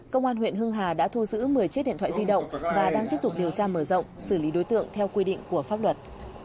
công an huyện hưng hà đã thu giữ một mươi chiếc điện thoại di động và đang tiếp tục điều tra mở rộng xử lý đối tượng theo quy định của pháp luật